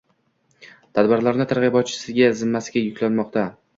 Tadbirlarni targ‘ibotchining zimmasiga yuklamoqda.